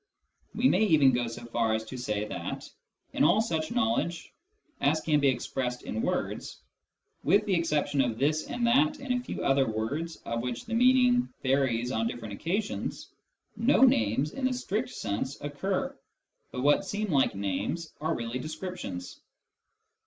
We may even go so far as to say that, in all such knowledge as can be expressed in words — with the exception of " this " and " that " and a few other words of which the meaning varies on different occasions — no names, in the strict sense, occur, but what seem like names are really descriptions.